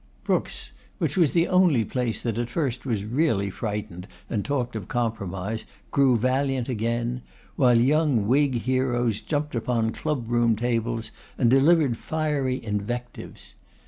Brookes', which was the only place that at first was really frightened and talked of compromise, grew valiant again; while young Whig heroes jumped upon club room tables, and delivered fiery invectives.